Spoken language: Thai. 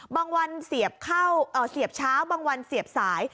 บางวันเสียบเข้าเสียบเช้าบางวันเสียบสาย